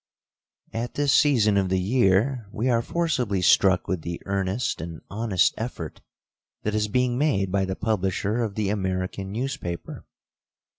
At this season of the year, we are forcibly struck with the earnest and honest effort that is being made by the publisher of the American newspaper.